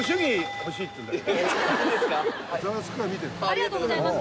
ありがとうございます。